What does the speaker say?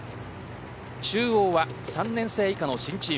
中央は３年生以下の新チーム。